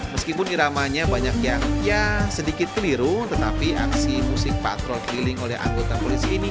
meskipun iramanya banyak yang ya sedikit keliru tetapi aksi musik patrol keliling oleh anggota polisi ini